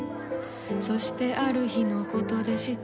そしてある日のことでした。